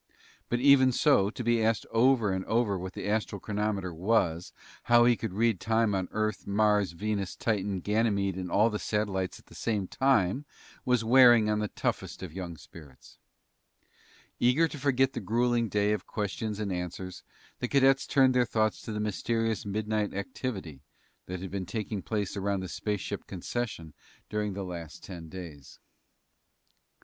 But even so, to be asked over and over what the astral chronometer was, how he could read time on Earth, Mars, Venus, Titan, Ganymede, and all the satellites at the same time was wearing on the toughest of young spirits. Eager to forget the grueling day of questions and answers, the cadets turned their thoughts to the mysterious midnight activity that had been taking place around the spaceship concession during the last ten days.